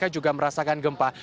juga merasakan gempa